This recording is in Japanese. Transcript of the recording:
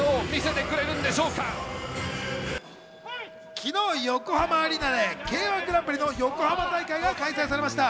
昨日、横浜アリーナでＫ‐１グランプリの横浜大会が開催されました。